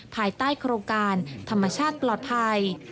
ภายใต้โครงการธรรมชาติปลอดภัย